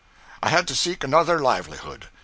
I had to seek another livelihood.